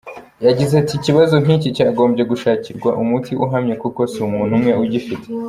Yagize ati “Ikibazo nk’iki cyagombye gushakirwa umuti uhamye kuko si umuntu umwe ugifite.